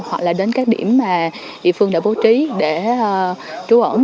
hoặc là đến các điểm mà địa phương đã bố trí để trú ẩn